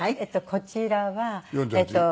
こちらは。